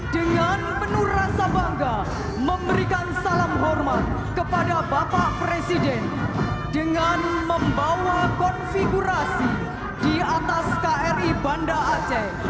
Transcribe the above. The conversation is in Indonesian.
dengan penuh rasa bangga memberikan salam hormat kepada bapak presiden dengan membawa konfigurasi di atas kri banda aceh